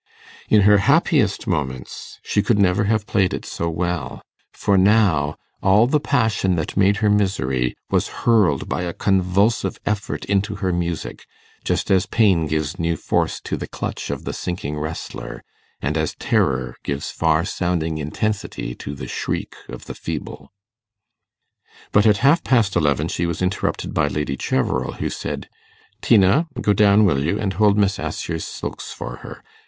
In her happiest moments she could never have played it so well: for now all the passion that made her misery was hurled by a convulsive effort into her music, just as pain gives new force to the clutch of the sinking wrestler, and as terror gives farsounding intensity to the shriek of the feeble. But at half past eleven she was interrupted by Lady Cheverel, who said, 'Tina, go down, will you, and hold Miss Assher's silks for her.